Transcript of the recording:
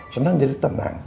senang jadi tenang